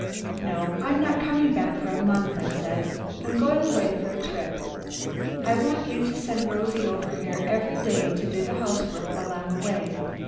"No, I'm not coming back for a month," I said. "I'm going away for a trip. I want you to send Rosie over here every day to do the housework while I'm away.